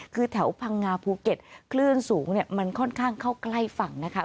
คือแถวพังงาภูเก็ตคลื่นสูงมันค่อนข้างเข้าใกล้ฝั่งนะคะ